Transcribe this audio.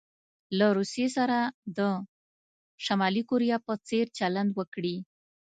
له روسيې سره د شمالي کوریا په څیر چلند وکړي.